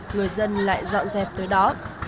người dân lại dọn dẹp tới đó